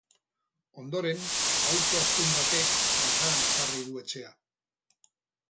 Ondoren auto astun batek dardaran jarri du etxea.